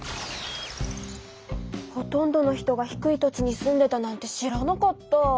ほとんどの人が低い土地に住んでたなんて知らなかった。